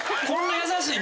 こんな。